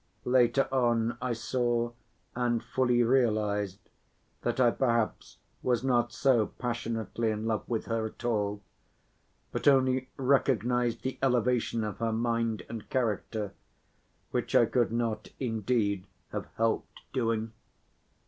Later on I saw and fully realized that I perhaps was not so passionately in love with her at all, but only recognized the elevation of her mind and character, which I could not indeed have helped doing.